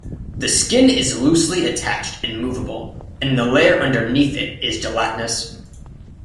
The skin is loosely attached and movable, and the layer underneath it is gelatinous.